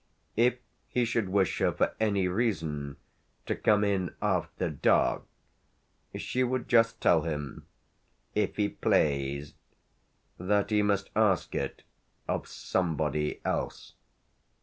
If he should wish her for any reason to come in after dark she would just tell him, if he "plased," that he must ask it of somebody else.